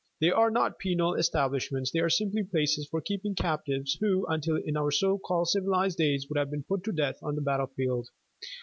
They are not penal establishments; they are simply places for keeping captives who, until in our so called civilized days, would have been put to death on the battlefield.